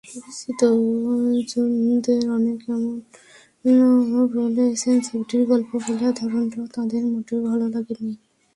পরিচিতজনদের অনেক এমনও বলছেন, ছবিটির গল্প বলার ধরনটাও তাঁদের মোটেও ভালো লাগেনি।